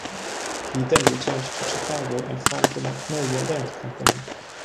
He then returned to Chicago and formed the Magnolia Land Company.